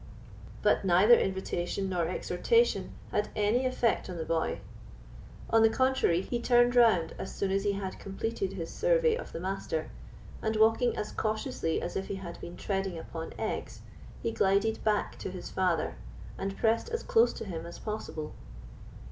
But neither invitation nor exhortation had any effect on the boy. On the contrary, he turned round as soon as he had completed his survey of the Master, and walking as cautiously as if he had been treading upon eggs, he glided back to his father, and pressed as close to him as possible.